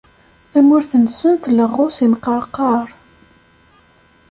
Tamurt-nsen tleɣɣu s imqerqar.